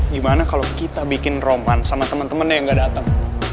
gimana kalau kita bikin roman sama temen temennya yang gak datang